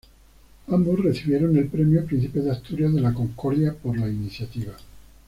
Ambos recibieron el premio Príncipe de Asturias de la Concordia por la iniciativa.